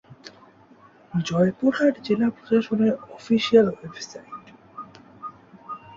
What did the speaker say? জয়পুরহাট জেলা প্রশাসনের official website